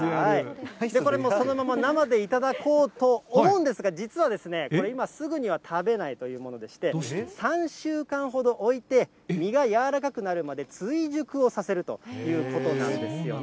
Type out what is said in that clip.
これもう、そのまま生で頂こうと思うんですが、実はこれ今、すぐには食べないというものでして、３週間ほど置いて、実が柔らかくなるまで追熟をさせるということなんですよね。